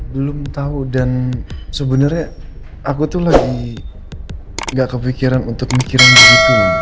belum tau dan sebenernya aku tuh lagi gak kepikiran untuk mikirannya gitu